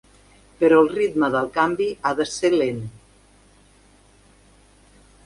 Però el ritme del canvi ha de ser lent.